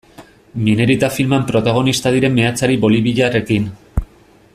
Minerita filman protagonista diren meatzari boliviarrekin.